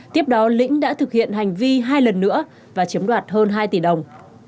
tiếp đó lĩnh đã thực hiện hành vi hai lần nữa và chiếm đoạt hơn hai tỷ đồng